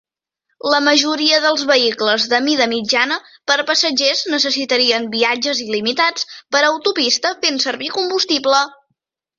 La majoria dels vehicles de mida mitjana per passatgers necessitarien viatges il·limitats per autopista fent servir combustible.